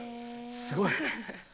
すごい。